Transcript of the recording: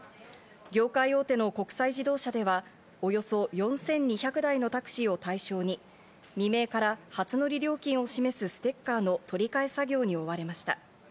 業界大手の国際自動車ではおよそ４２００台のタクシーを対象に未明から初乗り料金を示すステッカーの取りかえ作業に追われました。